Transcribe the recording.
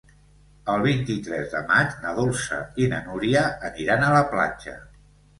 El vint-i-tres de maig na Dolça i na Núria aniran a la platja.